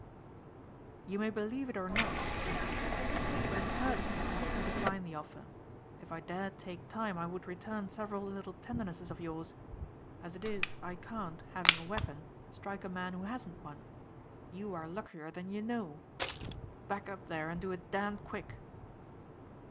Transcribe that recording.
"You may believe it or not," Trent retorted, "but it hurts me to have to decline the offer. If I dared take time I would return several little tendernesses of yours. As it is I can't, having a weapon, strike a man who hasn't one. You are luckier than you know. Back up there and do it damned quick."